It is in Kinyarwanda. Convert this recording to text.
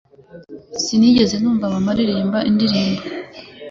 Sinigeze numva mama aririmba indirimbo.